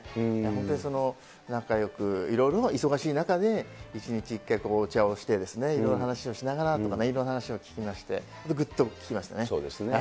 本当に仲よく、いろいろ忙しい中で、１日１回お茶をして、いろいろ話をしながらとか、いろんな話を聞きまして、ぐっときましたね。